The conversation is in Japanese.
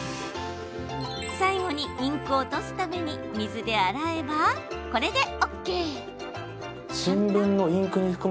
最後にインクを落とすために水で洗えば、これでＯＫ。